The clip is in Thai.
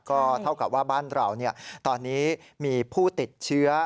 ก็เท่ากับว่าบ้านเราตอนนี้มีผู้ติดเชื้อ